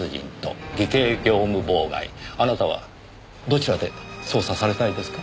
あなたはどちらで捜査されたいですか？